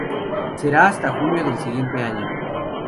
Será hasta junio del año siguiente.